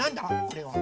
これは。